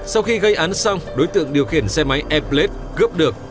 sau khi gây án xong đối tượng điều khiển xe máy airblade cướp được